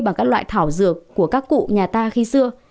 bằng các loại thảo dược của các cụ nhà ta khi xưa